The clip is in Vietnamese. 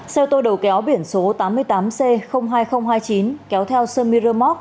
xe ô tô đầu kéo biển số tám mươi tám c hai nghìn hai mươi chín kéo theo sơ miramok